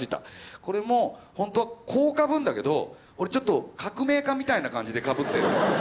これもほんとはこうかぶるんだけど俺ちょっと革命家みたいな感じでかぶってるのよ。